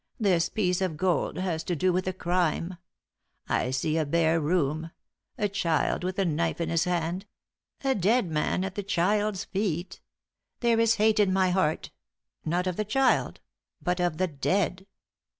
"This piece of gold has to do with a crime. I see a bare room a child with a knife in his hand a dead man at the child's feet. There is hate in my heart not of the child; but of the dead.